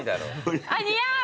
あっ似合う。